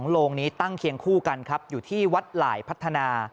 โลงนี้ตั้งเคียงคู่กันครับอยู่ที่วัดหลายพัฒนา